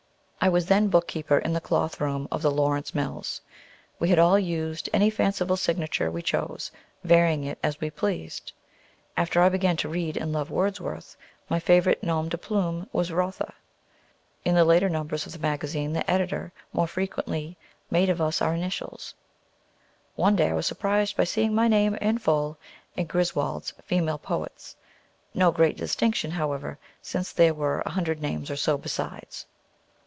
I was then book keeper in the cloth room of the Lawrence Mills. We had all used any fanciful signature we chose, varying it as we pleased. After I began to read and love Wordsworth, my favorite nom de plume was "Rotha." In the later numbers of the magazine, the editor more frequently made us of my initials. One day I was surprised by seeing my name in full in Griswold's "Female Poet's;" no great distinction, however, since there were a hundred names or so, besides.